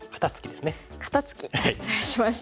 肩ツキ失礼しました。